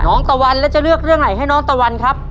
ตะวันแล้วจะเลือกเรื่องไหนให้น้องตะวันครับ